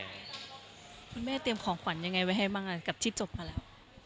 คุณแม่เตรียมของขวัญยังไงไว้ให้บ้างกับที่จบมาแล้ว